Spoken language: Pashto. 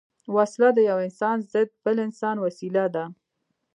وسله د یو انسان ضد بل انسان وسيله ده